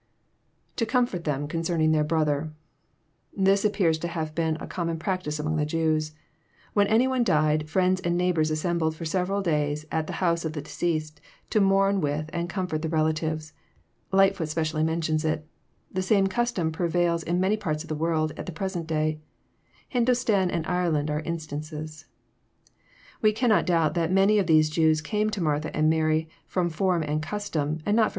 [To comfort them conceminj their brother*'] This appears to have been a common practice among the Jews. When any one died, friends and neighbours assembled for several days at the house of the deceased, to mourn with and comfort the relatives. Llghtfoot specially mentions it. The same custom prevails in many parts of the world at the present day : Hindostan and Ireland are instances. We cannot doubt that many of these Jews came to Martha and Mary fk'om form and custom, and not ttom.